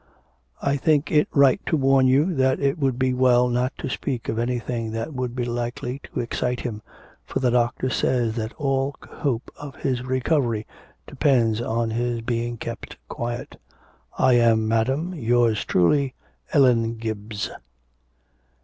'I think it right to warn you that it would be well not to speak of anything that would be likely to excite him, for the doctor says that all hope of his recovery depends on his being kept quiet. I am, Madam, yours truly, 'ELLEN GIBBS.'